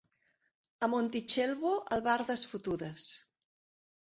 A Montitxelvo, albardes fotudes.